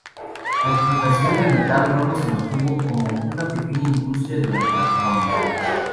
La explotación del metal rojo se mantuvo como una pequeña industria durante la colonia.